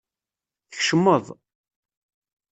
Tkecmeḍ.